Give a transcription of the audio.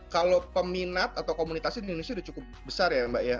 kalau peminat atau komunitasnya di indonesia sudah cukup besar ya mbak ya